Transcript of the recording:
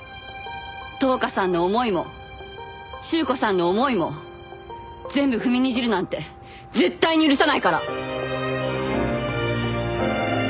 橙花さんの思いも朱子さんの思いも全部踏みにじるなんて絶対に許さないから！